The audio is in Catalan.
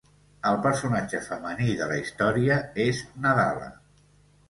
El personatge femení de la història és Nadala.